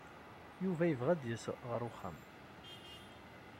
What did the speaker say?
Yuba yebɣa ad d-yas ɣer uxxam.